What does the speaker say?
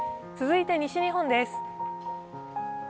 続いて西日本です。